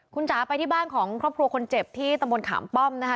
คุณจ๋าไปที่บ้านของครอบครัวคนเจ็บที่ตะบนขามป้อมนะคะ